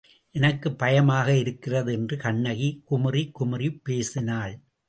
எனக்குப் பயமாக இருக்கிறது என்று கண்ணகி குழறிக் குழறிப் பேசினாள்.